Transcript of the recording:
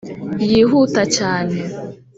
yihuta cyane